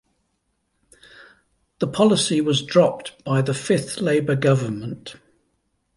The policy was dropped by the Fifth Labour Government.